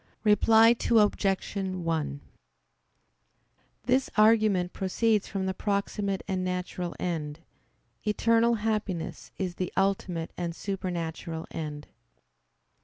Reply Obj. 1: This argument proceeds from the proximate and natural end. Eternal happiness is the ultimate and supernatural end.